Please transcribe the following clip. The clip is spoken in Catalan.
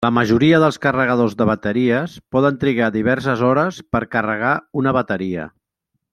La majoria dels carregadors de bateries poden trigar diverses hores per carregar una bateria.